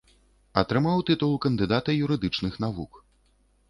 Атрымаў тытул кандыдата юрыдычных навук.